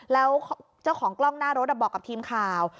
แล้วเจ้าของกล้องหน้ารถบอกกับทีมข่าว